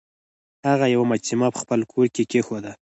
هغه یوه مجسمه په خپل کور کې کیښوده.